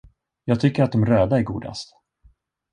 Jag tycker att dom röda är godast!